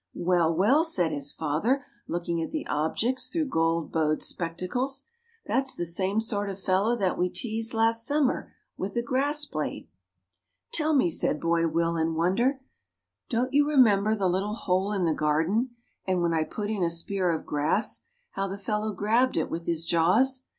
"Well, well!" said his father, looking at the objects through gold bowed spectacles, "that's the same sort of fellow that we teased last summer with a grass blade." "Tell me," said Boy Will, in wonder, "don't you remember the little hole in the garden, and when I put in a spear of grass how the fellow grabbed it with his jaws?